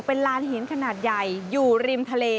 เป็นลานหินขนาดใหญ่อยู่ริมทะเล